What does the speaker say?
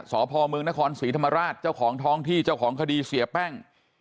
สพเมืองนครศรีธรรมราชเจ้าของท้องที่เจ้าของคดีเสียแป้ง